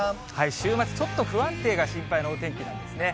週末、ちょっと不安定が心配なお天気なんですね。